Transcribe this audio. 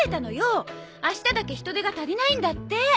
明日だけ人手が足りないんだって。